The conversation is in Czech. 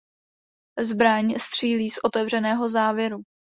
Zbraň střílí z otevřeného závěru.